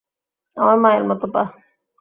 আমার মায়ের মতো গা।